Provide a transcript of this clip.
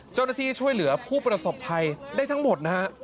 เจ้าหน้าที่ช่วยเหลือผู้ประสบภัยได้ทั้งหมด